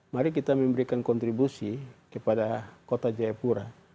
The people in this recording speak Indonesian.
mari kita memberikan kontribusi kepada kota jayapura